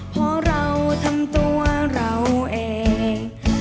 เพราะเราทั้งตัวเราเอง